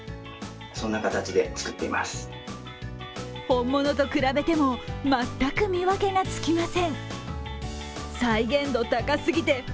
本物と比べても全く見分けがつきません。